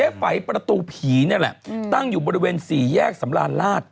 ไฝประตูผีนี่แหละตั้งอยู่บริเวณสี่แยกสำราญราช